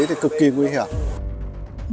thì cực kỳ nguy hiểm